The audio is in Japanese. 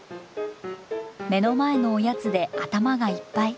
目の前のおやつで頭がいっぱい。